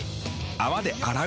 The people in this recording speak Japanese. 泡で洗う。